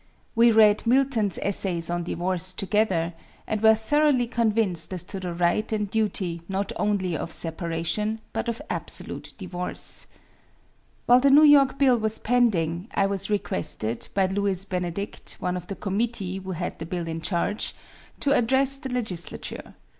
We read Milton's essays on divorce, together, and were thoroughly convinced as to the right and duty not only of separation, but of absolute divorce. While the New York bill was pending, I was requested, by Lewis Benedict, one of the committee who had the bill in charge, to address the legislature.